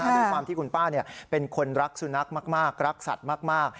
ด้วยความที่คุณป้าเป็นคนรักสุนัขมากรักสัตว์มาก